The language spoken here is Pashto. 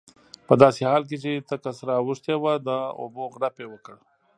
په داسې حال کې چې تکه سره اوښتې وه د اوبو غړپ یې وکړ.